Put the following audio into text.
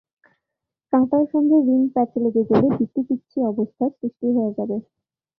কাঁটার সঙ্গে রিং প্যাঁচ লেগে গেলে বিতিকিচ্ছি অবস্থার সৃষ্টি হয়ে যাবে।